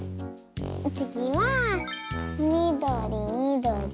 つぎはみどりみどり。